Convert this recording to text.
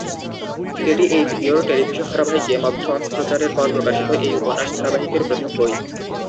এটি এইচবিওর টেলিভিশন ধারাবাহিক "গেম অব থ্রোনস" প্রচারের পর প্রকাশিত এই উপন্যাস ধারাবাহিকের প্রথম বই।